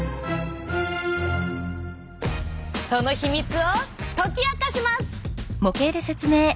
その秘密を解き明かします！